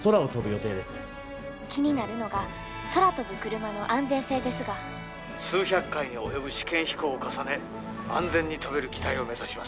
気になるのが空飛ぶクルマの安全性ですが「数百回に及ぶ試験飛行を重ね安全に飛べる機体を目指します」。